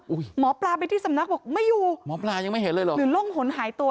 หมอปลาไปที่สำนักบอกไม่อยู่หมอปลายังไม่เห็นเลยเหรอหรือล่มหนหายตัว